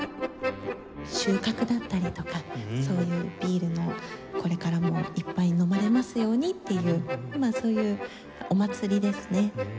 収穫だったりとかそういうビールのこれからもいっぱい飲まれますようにっていうそういうお祭りですね。